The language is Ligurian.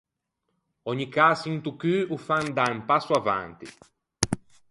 Ògni cäso into cû o fa andâ un passo avanti.